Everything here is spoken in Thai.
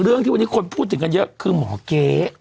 เรื่องที่วันนี้คนพูดถึงกันเยอะคือหมอเก๊